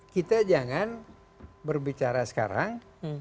kita jangan berbicara sekarang